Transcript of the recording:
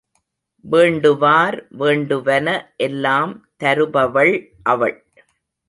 வேண்டுவார் வேண்டுவன எல்லாம் தருபவள் அவள்.